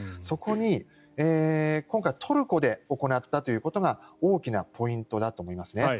そこに今回トルコで行ったということが大きなポイントだと思いますね。